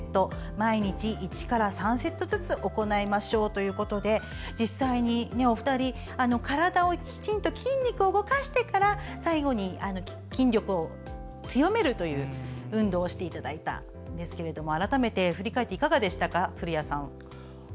毎日１から３セットずつ行いましょうということで実際に、お二人にはきちんと筋肉を動かしてから最後に筋力を強めるという運動をしていただいたんですが改めて振り返っていかがでしたか古谷さん。